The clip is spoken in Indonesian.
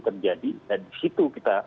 terjadi dan di situ kita